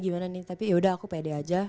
gimana nih tapi ya udah aku pede aja